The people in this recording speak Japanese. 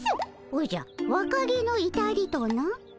おじゃ若気のいたりとな？